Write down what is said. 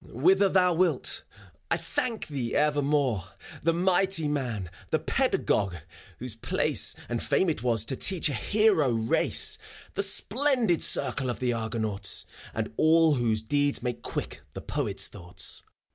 Whither thou wilt. I thank thee evermpre. .. The mighty man, the pedagogue, whose place And fame it was, to teach a hero race, — The splendid circle of the Argonauts, And all whose deeds made quick the Poet's thoughts.